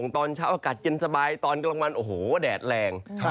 ตอนเช้าอากาศเย็นสบายตอนกลางวันโอ้โหแดดแรง